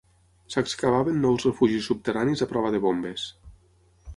S'excavaven nous refugis subterranis a prova de bombes